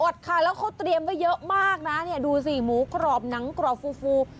ค่ะแล้วเขาเตรียมไว้เยอะมากนะเนี่ยดูสิหมูกรอบหนังกรอบฟูฟู